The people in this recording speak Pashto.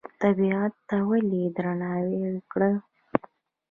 طبیعت ته ولې درناوی وکړو؟